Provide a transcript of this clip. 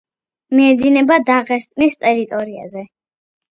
მიედინება დაღესტნის ტერიტორიაზე.